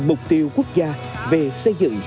mục tiêu quốc gia về xây dựng